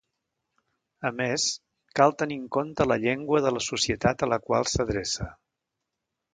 A més, cal tenir en compte la llengua de la societat a la qual s'adreça.